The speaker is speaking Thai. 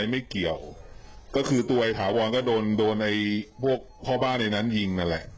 ไม่เกี่ยวก็คือตัวไอ้ถาวรก็โดนโดนไอ้พวกพ่อบ้านในนั้นยิงนั่นแหละ